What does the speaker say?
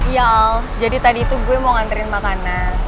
yol jadi tadi itu gue mau nganterin makanan